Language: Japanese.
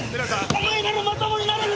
お前ならまともになれる！